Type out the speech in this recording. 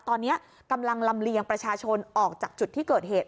ตอนนี้กำลังลำเลียงประชาชนออกจากจุดที่เกิดเหตุ